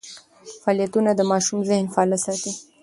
فعالیتونه د ماشوم ذهن فعال ساتي.